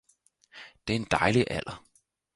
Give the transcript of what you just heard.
Det er en dejlig alder